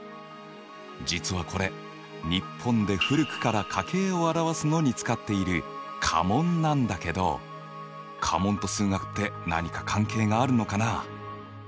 実はこれ日本で古くから家系を表すのに使っている家紋なんだけど家紋と数学って何か関係があるのかな？